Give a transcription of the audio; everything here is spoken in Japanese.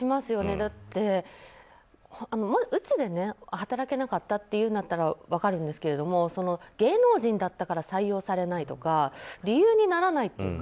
だって、うつで働けなかったなら分かるんですが芸能人だったから採用されないとか理由にならないっていうか。